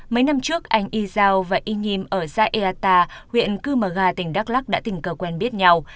mấy năm trước anh y giao và y nhim ở zaeata huyện kumaga tỉnh đắk lắc đã tình cờ quen biết nhau